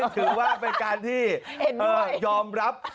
ถือว่าเป็นการที่ยอมรับ